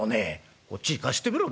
「こっち貸してみろ。